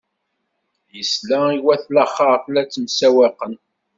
Isla i wat laxert la ttemsewwaqen.